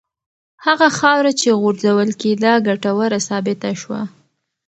هغه خاوره چې غورځول کېده ګټوره ثابته شوه.